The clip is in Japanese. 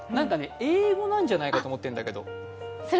英語なんじゃないかと思ってるんだけど。